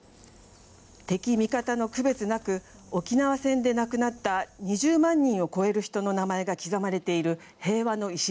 敵味方の区別なく沖縄戦で亡くなった２０万人を超える人の名前が刻まれている平和の礎。